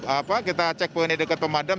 apa kita checkpointnya dekat pemadam